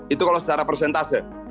itu kalau secara persentase